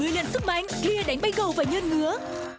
một mươi lần sức mạnh clear đánh bay gầu và nhân ngứa